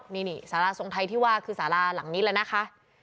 นี่สาราทรงไทยที่ว่าคือสาราหลังนี้แล้วนะคะ